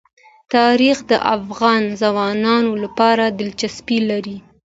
تاریخ د افغان ځوانانو لپاره دلچسپي لري.